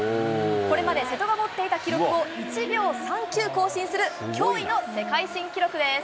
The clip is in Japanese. これまで瀬戸が持っていた記録を１秒３９更新する、驚異の世界新記録です。